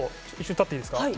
立っていいですか。